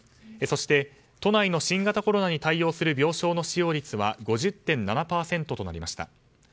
そして、都内の新型コロナに対応する病床の使用率は５０．７％となりました。